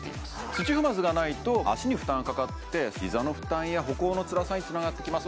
土踏まずがないと脚に負担がかかって膝の負担や歩行のつらさにつながってきます